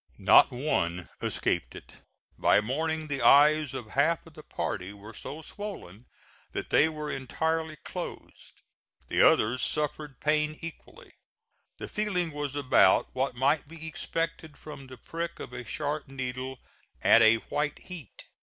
Not one escaped it. By morning the eyes of half the party were so swollen that they were entirely closed. The others suffered pain equally. The feeling was about what might be expected from the prick of a sharp needle at a white heat.